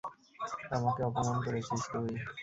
আমাকে অপমান করেছিস তুই?